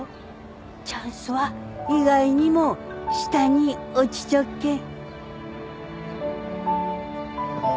チャンスは意外にも下に落ちちょっけん。